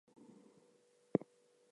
This is so diverse!